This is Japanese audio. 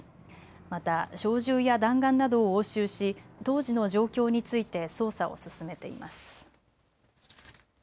また小銃や弾丸などを押収し当時の状況について捜査を進めています。